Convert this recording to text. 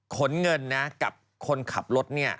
ขนเงินนะกับคนขับรถเนี่ย